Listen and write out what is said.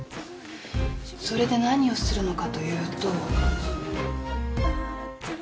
それで何をするのかというと。